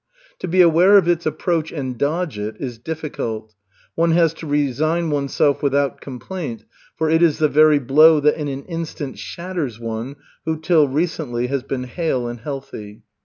To be aware of its approach and dodge it, is difficult. One has to resign oneself without complaint, for it is the very blow that in an instant shatters one who till recently has been hale and healthy.